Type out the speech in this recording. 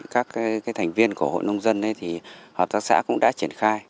các thành viên của hội nông dân thì hợp tác xã cũng đã triển khai